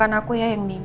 itu jam sama full